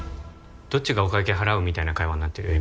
どっちがお会計払うみたいな会話になってるよ